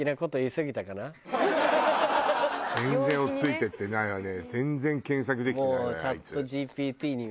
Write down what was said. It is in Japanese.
全然追いついていってないわね。